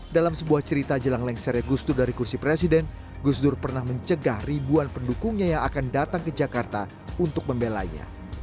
dalam sebuah cerita jelang lengsarnya gusdur dari kursi presiden gusdur pernah mencegah ribuan pendukungnya yang akan datang ke jakarta untuk membelainya